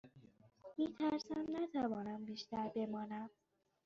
می ترسم نتوانم بیشتر بمانم.